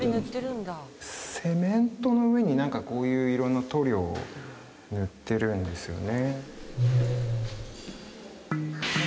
セメントの上に何かこういう色の塗料を塗ってるんですよね